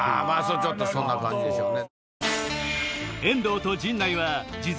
ちょっとそんな感じでしょうね。